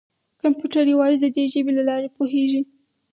کمپیوټر یوازې د دې ژبې له لارې پوهېږي.